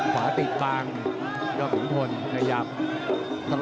ขวาติดปลังยอมหุงพล